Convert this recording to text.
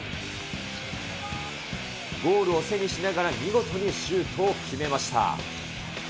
ゴールを背にしながら、見事にシュートを決めました。